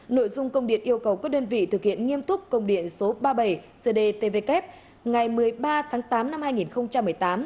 nội dung công điện yêu cầu các đơn vị thực hiện nghiêm túc công điện số ba mươi bảy cdtvk ngày một mươi ba tháng tám năm hai nghìn một mươi tám